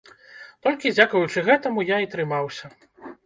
Толькі дзякуючы гэтаму я і трымаўся.